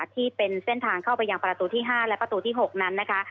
ที่เป็นเส้นทางเข้าไปยังประตูที่๕และประตูที่๖นั้นนะคะ